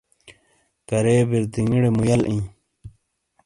کرے بِردینگیڑے مُویل اِیں۔